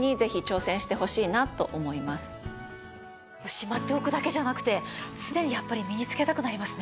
しまっておくだけじゃなくて常にやっぱり身に着けたくなりますね。